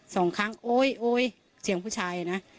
สองครั้งโอ๊ยโอ๊ยเสียงผู้ชายนะ